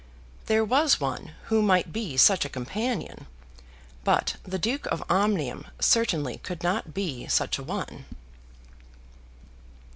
There was one who might be such a companion, but the Duke of Omnium certainly could not be such a one.